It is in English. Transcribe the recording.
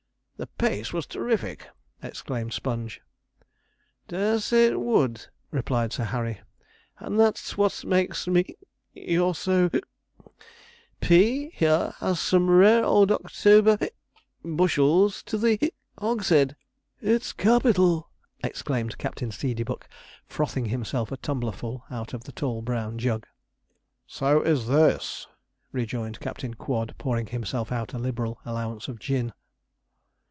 'The pace was terrific!' exclaimed Sponge. 'Dare say it would,' replied Sir Harry; 'and that's what makes me you're so. Pea, here, has some rare old October bushels to the hogshead.' 'It's capital!' exclaimed Captain Seedeybuck, frothing himself a tumblerful out of the tall brown jug. 'So is this,' rejoined Captain Quod, pouring himself out a liberal allowance of gin.